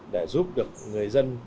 để giúp được người dân